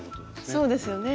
そうですよね？